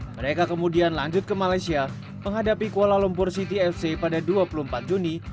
mereka kemudian lanjut ke malaysia menghadapi kuala lumpur city fc pada dua puluh empat juni